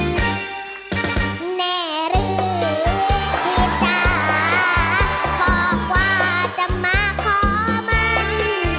แร่รึที่จะกรอกว่าจะมาขอมัน